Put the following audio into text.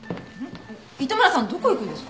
糸村さんどこ行くんですか？